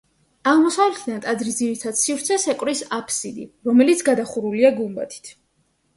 აღმოსავლეთიდან ტაძრის ძირითად სივრცეს ეკვრის აფსიდი, რომელიც გადახურულია გუმბათით.